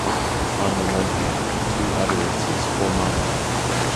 On the one hand, two utterances For Mama!